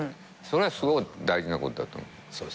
それはすごい大事なことだと思う。